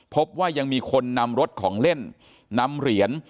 พบว่ายังมีคนนำรถของเล่นนำเหรียญ